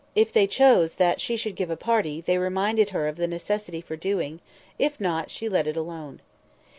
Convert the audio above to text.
If they chose that she should give a party, they reminded her of the necessity for so doing: if not, she let it alone.